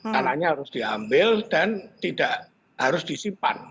tanahnya harus diambil dan tidak harus disimpan